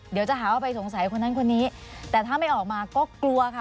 เดี๋ยวจะหาว่าไปสงสัยคนนั้นคนนี้แต่ถ้าไม่ออกมาก็กลัวค่ะ